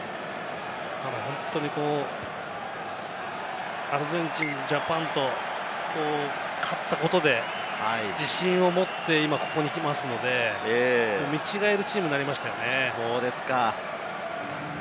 本当にアルゼンチン、ジャパンと勝ったことで、自信を持って今ここにいますので、見違えるチームになりましたね。